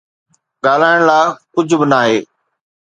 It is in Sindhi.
ڳالهائڻ لاءِ ڪجهه به ناهي